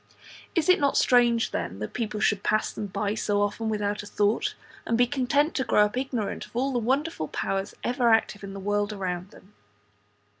Is it not strange, then, that people should pass them by so often without a thought, and be content to grow up ignorant of all the wonderful powers ever active in the world around them?